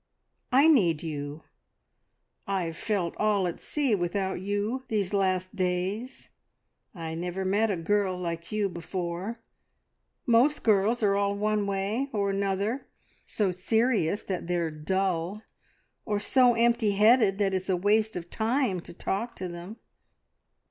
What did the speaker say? I need you! I've felt all at sea without you these last days. I never met a girl like you before. Most girls are all one way or another so serious that they're dull, or so empty headed that it's a waste of time to talk to them.